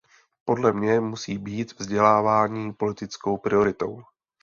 Podle mně musí být vzdělávání politickou prioritou.